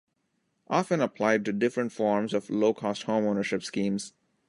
Often applied to different forms of Low Cost Home Ownership schemes.